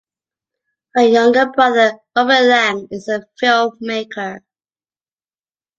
Her younger brother, Robin Lang, is a film maker.